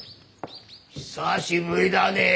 「久しぶりだねえ」！